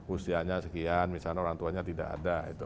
usianya sekian misalnya orang tuanya tidak ada